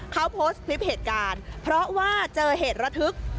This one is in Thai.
เขาโพสต์คลิปเหตุการณ์เพราะว่าเจอเหตุระทึก